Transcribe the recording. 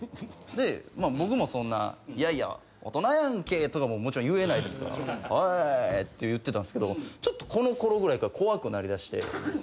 で僕もそんな「いやいや大人やんけ」とかももちろん言えないですから「え」って言ってたんですけどちょっとこのころぐらいから怖くなりだして。